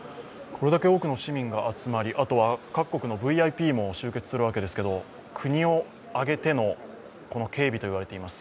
これだけ多くの市民が集まり、各国のＶＩＰも集結するわけですけれども、国を挙げての警備といわれています。